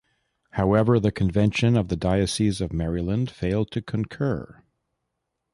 However, the convention of the Diocese of Maryland failed to concur.